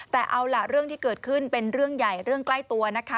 แต่เอาล่ะเรื่องที่เกิดขึ้นเป็นเรื่องใหญ่เรื่องใกล้ตัวนะคะ